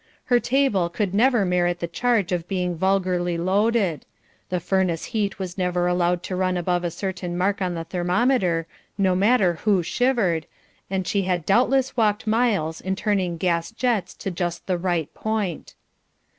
Her table could never merit the charge of being vulgarly loaded; the furnace heat was never allowed to run above a certain mark on the thermometer, no matter who shivered, and she had doubtless walked miles in turning gas jets to just the right point.